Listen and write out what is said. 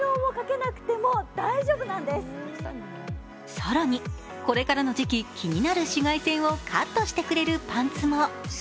更にこれからの時期、気になる紫外線をカットしてくれるパンツも。